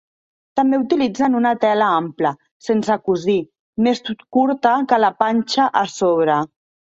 També utilitzen una tela ampla, sense cosir, més curta que la "pancha", a sobre.